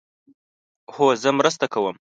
هو، زه مرسته کوم